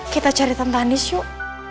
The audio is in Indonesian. kita cari tante andis yuk